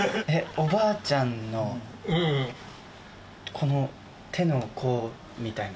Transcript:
おばあちゃんの、この手の甲みたいな。